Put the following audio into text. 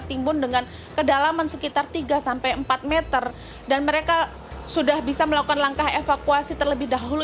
timbun dengan kedalaman sekitar tiga sampai empat meter dan mereka sudah bisa melakukan langkah evakuasi terlebih dahulu